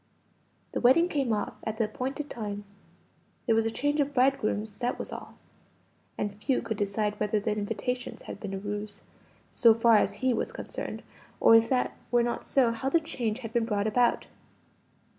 The wedding came off at the appointed time. There was a change of bridegrooms, that was all; and few could decide whether the invitations had been a ruse, so far as he was concerned or if that were not so, how the change had been brought about.